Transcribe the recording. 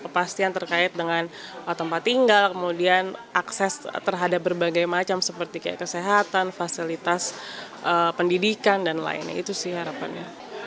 kepastian terkait dengan tempat tinggal kemudian akses terhadap berbagai macam seperti kesehatan fasilitas pendidikan dan lainnya itu sih harapannya